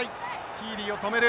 ヒーリーを止める。